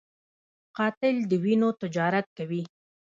قاتل د وینو تجارت کوي